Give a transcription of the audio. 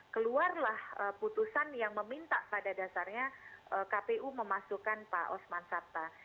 keluarlah putusan yang meminta pada dasarnya kpu memasukkan pak osman sabta